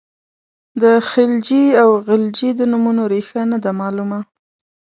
د خلجي او غلجي د نومونو ریښه نه ده معلومه.